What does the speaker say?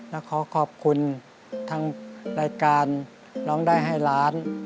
แล้วขอขอบคุณทางรายการร้องได้ให้ล้าน